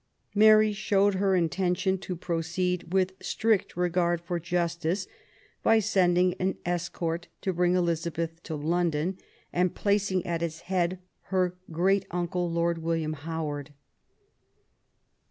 Mary showed her intention to proceed with strict regard for justice by sending an escort to bring Elizabeth to London, and placing at its head her great uncle. Lord William Howard.